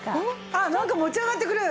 ああなんか持ち上がってくる！